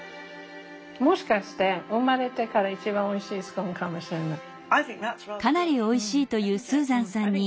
もしかして生まれてから一番おいしいスコーンかもしれない。